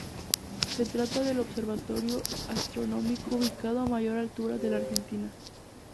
Se trata del observatorio astronómico ubicado a mayor altura en la Argentina.